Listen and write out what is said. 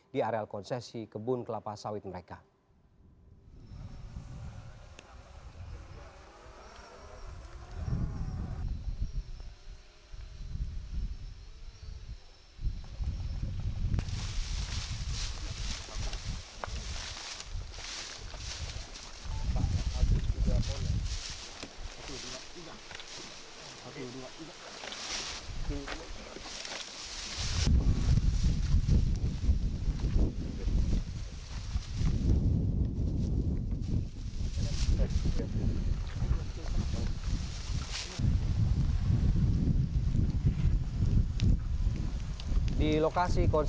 di areal konsesi kebun kelapa sawit mereka